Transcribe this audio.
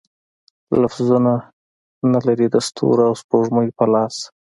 لفظونه، نه لري د ستورو او سپوږمۍ په لاس